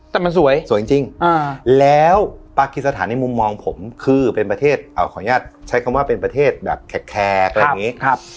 แต่มันสวยสวยจริงแล้วปากีสถานในมุมมองผมคือเป็นประเทศขออนุญาตใช้คำว่าเป็นประเทศแบบแขกอะไรอย่างนี้